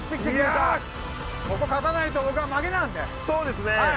そうですね。